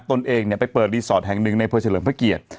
ตนเองเนี่ยไปเปิดรีสอร์ทแห่งหนึ่งในเผลอเฉลิมเผอร์เกียรติ